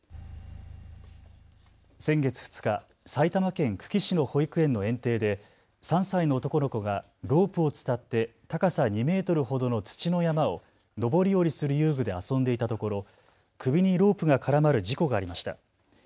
先月２日、埼玉県久喜市の保育園の園庭で３歳の男の子がロープを伝って高さ２メートルほどの土の山を上り下りする遊具で遊んでいたところ、首にロープが絡まる事故がありました。